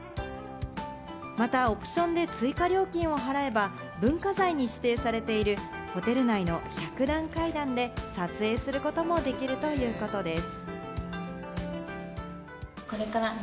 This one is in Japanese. またオプションで追加料金を払えば文化財に指定されているホテル内の百段階段で撮影することもできるということです。